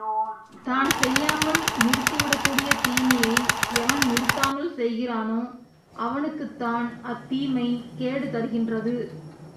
தான் செய்யாமல் நிறுத்திவிடக்கூடிய தீமையை எவன் நிறுத்தாமல் செய்கிறானோ அவனுக்குக்தான் அத்தீமை கேடு தருகின்றது.